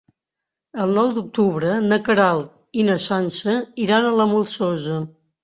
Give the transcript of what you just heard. El nou d'octubre na Queralt i na Sança iran a la Molsosa.